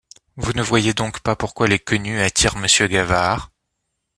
Vous ne voyez donc pas pourquoi les Quenu attirent monsieur Gavard?...